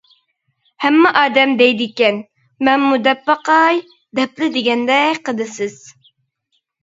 ھەممە ئادەم دەيدىكەن مەنمۇ دەپ باقاي دەپلا دېگەندەك قىلىسىز.